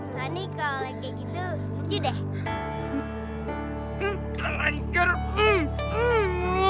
sani kalau kayak gitu lucu deh